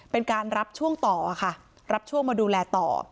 เป็นการรับช่วงต่อค่ะรับช่วงมาดูแลต่อ